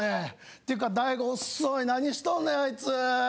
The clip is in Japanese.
っていうか大悟遅い何しとんねんあいつ。